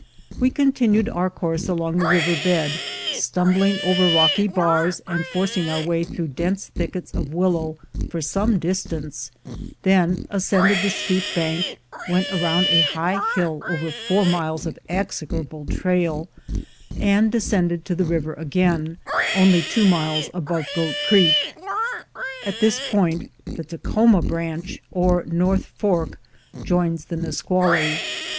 We continued our course along the river bed, stumbling over rocky bars and forcing our way through dense thickets of willow, for some distance, then as cended the steep bank, went around a high hill over four miles of execrable trail, and descended to the river again, only two miles above Goat Creek. At this point the Takhoma branch or North Fork joins the Nisqually.